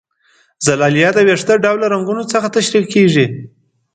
زلالیه د وېښته ډوله رګونو څخه ترشح کیږي.